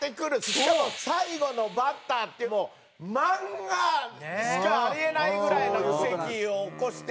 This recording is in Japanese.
しかも最後のバッターっていうもう漫画しかあり得ないぐらいの奇跡を起こして。